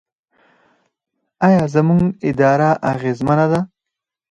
آیا زموږ اداره اغیزمنه ده؟